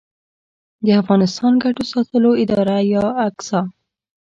د افغانستان ګټو ساتلو اداره یا اګسا